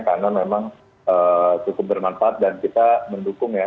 karena memang cukup bermanfaat dan kita mendukung ya